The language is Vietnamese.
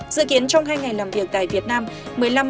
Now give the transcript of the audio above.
dự kiến trong hai ngày làm việc tại việt nam